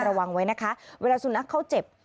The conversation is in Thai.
ระวังไว้นะคะเวลาสุนัขเขาเจ็บ